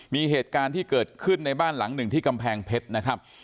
มีเหตุการณ์ที่เกิดขึ้นในบ้านหลังหนึ่งที่กำแพงเพชรนะครับ